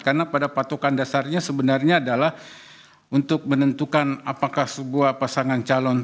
karena pada patokan dasarnya sebenarnya adalah untuk menentukan apakah sebuah pasangan calon